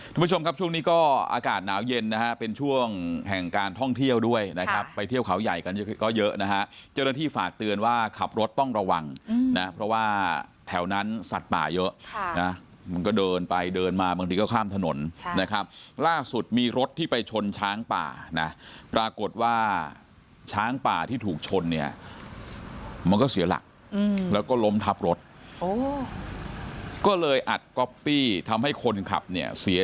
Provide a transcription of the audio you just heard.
ทุกผู้ชมครับช่วงนี้ก็อากาศหนาวเย็นนะฮะเป็นช่วงแห่งการท่องเที่ยวด้วยนะครับไปเที่ยวเขาใหญ่กันก็เยอะนะฮะเจริญที่ฝากเตือนว่าขับรถต้องระวังนะเพราะว่าแถวนั้นสัตว์ป่าเยอะนะมันก็เดินไปเดินมาบางทีก็ข้ามถนนนะครับล่าสุดมีรถที่ไปชนช้างป่านะปรากฏว่าช้างป่าที่ถูกชนเนี่ยมันก็เสีย